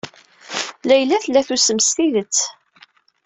Layla tella tusem s tidet.